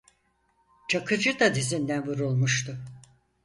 Çakıcı da dizinden vurulmuştu.